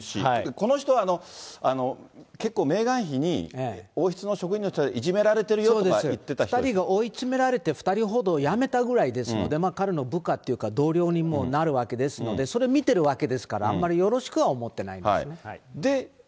この人は結構メーガン妃に王室の職員の人がいじめられているよと２人が追い詰められて２人ほど辞めたぐらいですので、彼の部下っていうか、同僚にもなるわけですので、それ見てるわけですから、あまりよろしくは思ってないんですね。